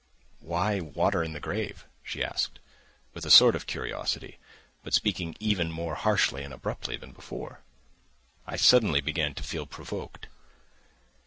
"Why water in the grave?" she asked, with a sort of curiosity, but speaking even more harshly and abruptly than before. I suddenly began to feel provoked.